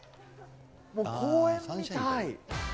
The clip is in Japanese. もう公園みたい。